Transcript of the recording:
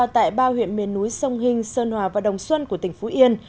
tại ba huyện miền núi sông hình sơn hòa và đồng xuân của tỉnh phú yên